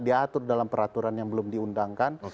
diatur dalam peraturan yang belum diundangkan